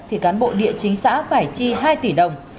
thì cán bộ địa chính xã phải chi hai tỷ đồng